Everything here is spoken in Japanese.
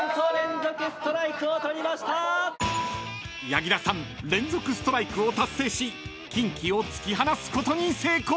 ［柳楽さん連続ストライクを達成しキンキを突き放すことに成功］